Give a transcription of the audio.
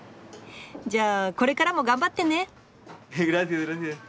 じゃあこれからも頑張ってね！